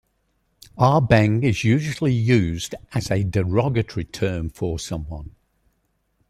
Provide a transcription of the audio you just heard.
Ah Beng is usually used as a derogatory term for someone.